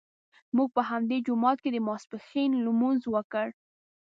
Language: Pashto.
موږ په همدې جومات کې د ماسپښین لمونځ وکړ.